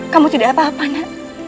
kamu tidak apa apa nda